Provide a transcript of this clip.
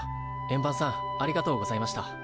円盤さんありがとうございました。